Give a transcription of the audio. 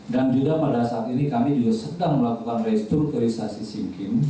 dan juga pada saat ini kami juga sedang melakukan restrukturisasi simkim